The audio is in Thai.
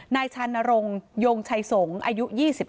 นายชานรงค์ยงชัยสงฆ์อายุ๒๓